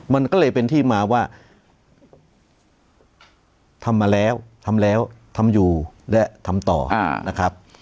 มันก็เลยเป็นที่มาว่าทำมาแล้วทำแล้วทำอยู่และทำต่อนะครับ